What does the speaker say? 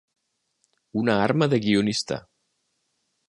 Una arma de guionista.